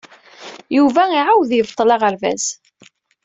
Yuba iɛawed yebṭel aɣerbaz.